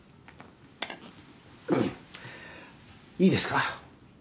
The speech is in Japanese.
いいですか？